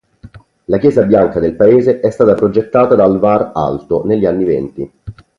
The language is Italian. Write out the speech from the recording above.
La chiesa bianca del paese è stata progettata da Alvar Aalto negli anni venti.